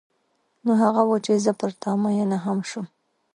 نو هغه و چې زه پر تا مینه هم شوم.